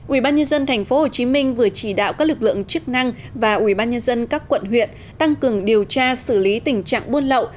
ubnd tp hcm vừa chỉ đạo các lực lượng chức năng và ubnd các quận huyện tăng cường điều tra xử lý tình trạng buôn lậu